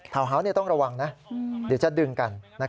เฮาวส์ต้องระวังนะเดี๋ยวจะดึงกัน